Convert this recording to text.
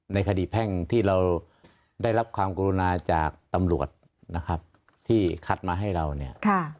ในคดีแพ่งที่เราได้รับความกรุณาจากตำรวจนะครับที่คัดมาให้เราเนี่ย